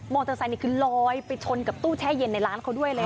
เตอร์ไซค์นี่คือลอยไปชนกับตู้แช่เย็นในร้านเขาด้วยเลย